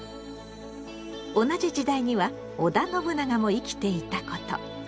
同じ時代には織田信長も生きていたこと。